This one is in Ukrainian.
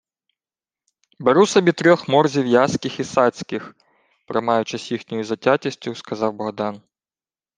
— Беру собі трьох морзів яських і сацьких! — проймаючись їхньою затятістю, сказав Богдан.